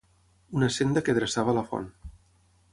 Una senda que dreçava a la font.